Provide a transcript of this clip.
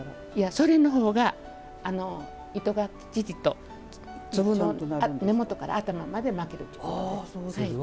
それのほうが糸がきっちりと粒の根元から頭まで巻けるっちゅうことです。